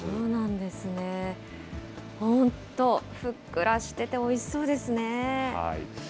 本当、ふっくらしてておいしそうですね。